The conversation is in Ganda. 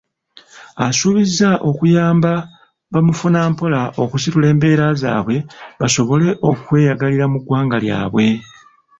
Asuubizza okuyamba bamufunampola okusitula embeera zaabwe basobole okweyagalirira mu ggwanga lyabwe.